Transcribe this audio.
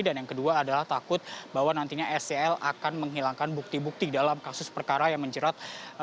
dan yang kedua adalah takut bahwa nantinya scl akan menghilangkan bukti bukti dalam kasus perkara yang menjerat